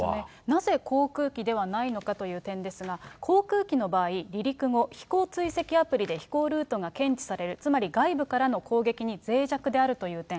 なぜ航空機ではないのかという点ですが、航空機の場合、離陸後、飛行追跡アプリで飛行ルートが検知される、つまり外部からの攻撃に脆弱であるという点。